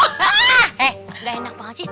eh ga enak banget sih